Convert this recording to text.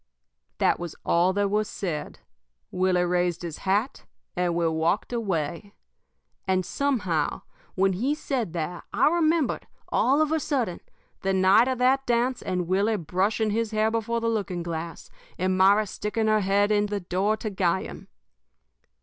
_' "That was all that was said. Willie raised his hat, and we walked away. "And, somehow, when he said that, I remembered, all of a sudden, the night of that dance and Willie brushing his hair before the looking glass, and Myra sticking her head in the door to guy him.